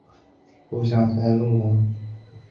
舍尔斯特滕是德国巴伐利亚州的一个市镇。